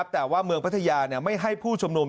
แต่ว่าเมืองพัทยาไม่ให้ผู้ชุมนุม